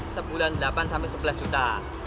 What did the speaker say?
sebulan delapan sampai sebelas juta